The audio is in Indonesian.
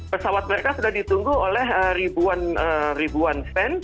pesawat mereka sudah ditunggu oleh ribuan fans